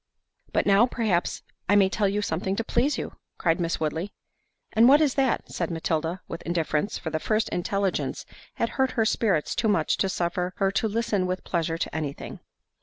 "But now, perhaps, I may tell you something to please you," cried Miss Woodley. "And what is that?" said Matilda, with indifference; for the first intelligence had hurt her spirits too much to suffer her to listen with pleasure to anything.